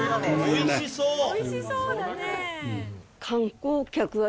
美味しそうだね。